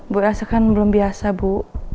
bu rasa kan belum biasa bu